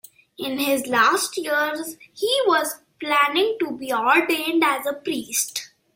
In his last years he was planning to be ordained as a priest.